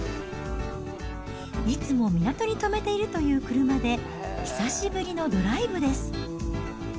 いつも港に止めているという車で、久しぶりのドライブです。